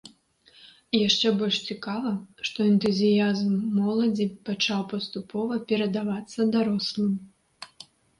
Яшчэ больш цікава, што энтузіязм моладзі пачаў паступова перадавацца дарослым.